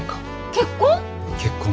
結婚？